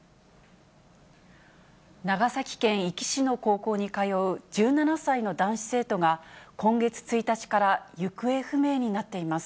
長崎県壱岐市の高校に通う１７歳の男子生徒が、今月１日から行方不明になっています。